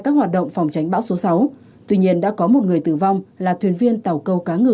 các hoạt động phòng tránh bão số sáu tuy nhiên đã có một người tử vong là thuyền viên tàu câu cá ngừ